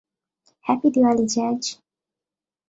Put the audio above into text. Happy Diwali, jazz.